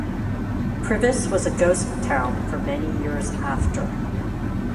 Privas was a ghost town for many years after.